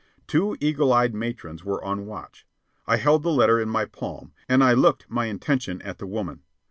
Two eagle eyed matrons were on watch. I held the letter in my palm, and I looked my intention at the woman.